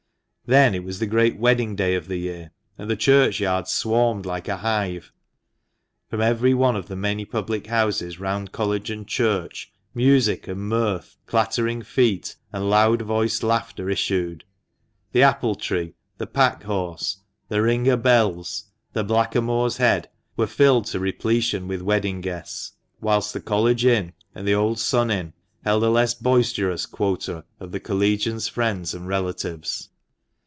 Then it was the great wedding day of the year, and the churchyard swarmed like a hive ; from every one of the many public houses round College and Church, music and mirth, clattering feet, and loud voiced laughter issued. "The Apple Tree," "The Pack Horse," "The Ring o1 Bells," "The Blackamoor's Head," were filled to repletion with wedding guests ; whilst " The College Inn " and the old " Sun Inn " held a less boisterous quota of the Collegians' friends and relatives.